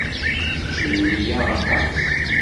Kecc d nniya aṭas.